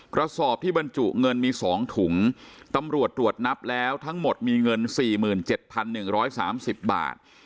กระสอบที่บรรจุเงินมี๒ถุงตำรวจตรวจนับแล้วทั้งหมดมีเงิน๔๗๑๓๐บาท